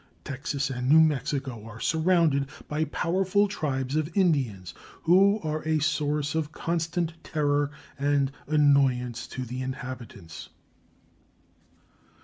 Texas and New Mexico are surrounded by powerful tribes of Indians, who are a source of constant terror and annoyance to the inhabitants.